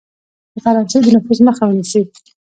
د فرانسې د نفوذ مخه ونیسي.